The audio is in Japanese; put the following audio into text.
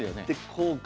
こうか。